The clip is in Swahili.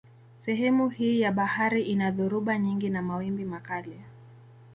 Sehemu hii ya bahari ina dhoruba nyingi na mawimbi makali.